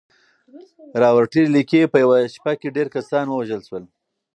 راورټي ليکي چې په يوه شپه کې ډېر کسان ووژل شول.